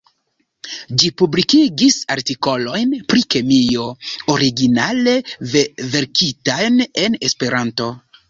Ĝi publikigis artikolojn pri kemio originale verkitajn en Esperanto.